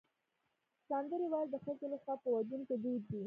سندرې ویل د ښځو لخوا په ودونو کې دود دی.